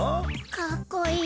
かっこいい。